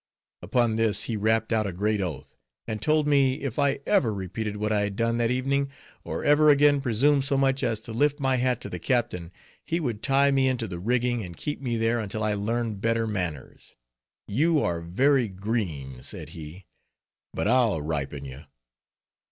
Upon this, he rapped out a great oath, and told me if I ever repeated what I had done that evening, or ever again presumed so much as to lift my hat to the captain, he would tie me into the rigging, and keep me there until I learned better manners. "You are very green," said he, "but I'll ripen you."